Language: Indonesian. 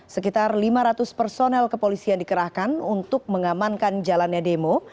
sekitar lima ratus personel kepolisian dikerahkan untuk mengamankan jalannya demo